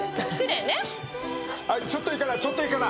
ちょっといいかな？